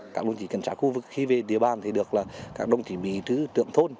các đồng chỉ cần trả khu vực khi về địa bàn thì được là các đồng chỉ bị trữ tượng thôn